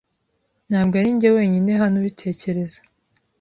Ntabwo arinjye wenyine hano ubitekereza.